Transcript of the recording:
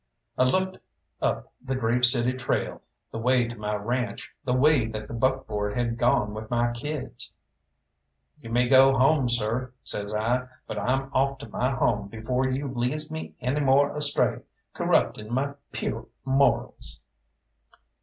I looked up the Grave City trail, the way to my ranche, the way that the buckboard had gone with my kids. "You may go home, sir," says I, "but I'm off to my home before you leads me any more astray, corrupting my pure morals."